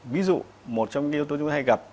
ví dụ một trong những hữu tố chúng ta hay gặp